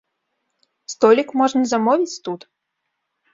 Столік можна замовіць тут.